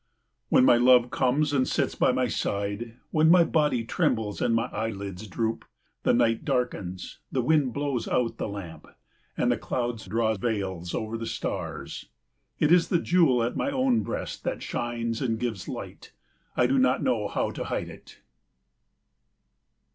When my love comes and sits by my side, when my body trembles and my eyelids droop, the night darkens, the wind blows out the lamp, and the clouds draw veils over the stars. It is the jewel at my own breast that shines and gives light. I do not know how to hide it.